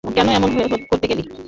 কেন এমন করতে গেলি?